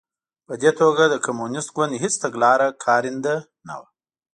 په دې توګه د کمونېست ګوند هېڅ تګلاره کارنده نه وه